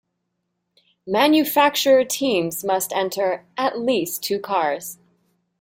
Manufacturer Teams must enter "at least" two cars.